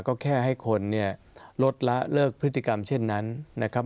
ก็แค่ให้คนเนี่ยลดละเลิกพฤติกรรมเช่นนั้นนะครับ